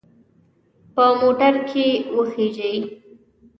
په موټر کې وخیژئ.